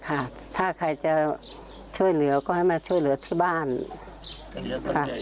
คิดมากและเย้แต่สงสารพอแม่มาก